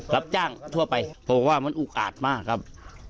รับจ้างทั่วไปเพราะว่ามันอุกอาดมากครับ